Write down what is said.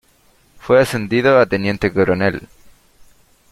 Fue ascendido a teniente coronel.